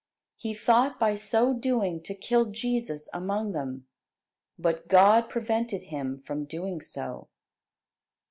He thought by so doing to kill Jesus among them, but God prevented him from doing so.